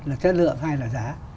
là chất lượng hai là giá